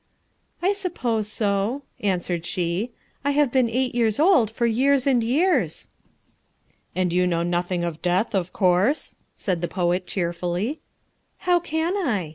"I suppose so," answered she. "I have been eight years old for years and years." "And you know nothing of death, of course?" said the poet cheerfully. "How can I?"